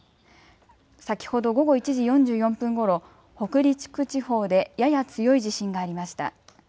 先ほど午後１時４４分ごろ、北陸地方でやや強い地震がありました。